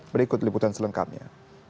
berikut liputan selengkapnya